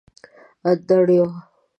انډریو.